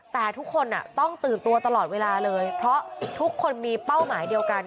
แต่ทุกคนต้องตื่นตัวตลอดเวลาเลยเพราะทุกคนมีเป้าหมายเดียวกัน